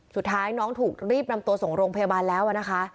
สุดท้ายน้องถูกรีบนำตัวส่งโรงพยาบาลแล้วนะคะ